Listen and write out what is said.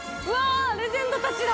レジェンドたちだ！